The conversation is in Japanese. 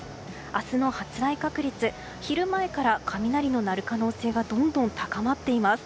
明日の発雷確率昼前から雷の鳴る可能性がどんどん高まっています。